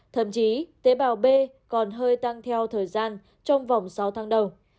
thậm chí tế bào b còn hơi tăng theo thời gian trong vòng sáu tháng đầu